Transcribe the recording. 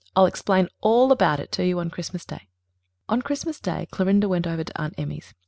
I'll explain all about it to you on Christmas Day." On Christmas Day, Clorinda went over to Aunt Emmy's.